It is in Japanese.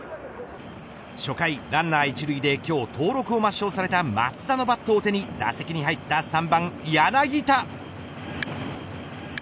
初回ランナー１塁で今日登録を抹消された松田のバットを手に打席に入った３番柳田。